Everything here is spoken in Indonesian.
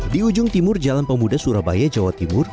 di ujung timur jalan pemuda surabaya jawa timur